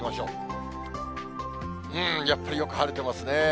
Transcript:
うーん、やっぱりよく晴れてますね。